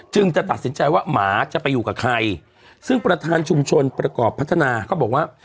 จะตัดสินใจว่าหมาจะไปอยู่กับใครซึ่งประธานชุมชนประกอบพัฒนาเขาบอกว่า